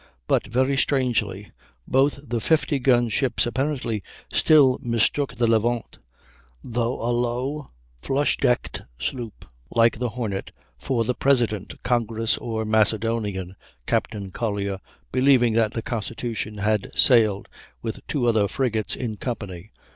But, very strangely, both the 50 gun ships apparently still mistook the Levant, though a low, flush decked sloop like the Hornet, for the "President, Congress, or Macedonian," Captain Collier believing that the Constitution had sailed with two other frigates in company.